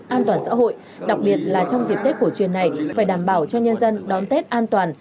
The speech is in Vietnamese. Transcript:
an toàn xã hội đặc biệt là trong dịp tết cổ truyền này phải đảm bảo cho nhân dân đón tết an toàn